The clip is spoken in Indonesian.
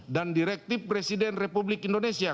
dan direktif presiden republik indonesia